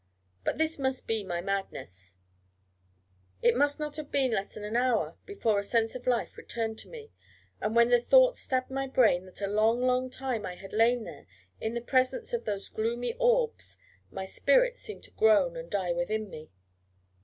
But this must be my madness.... It must have been not less than an hour before a sense of life returned to me; and when the thought stabbed my brain that a long, long time I had lain there in the presence of those gloomy orbs, my spirit seemed to groan and die within me.